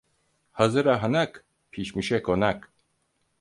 Hazıra hanak, pişmişe konak.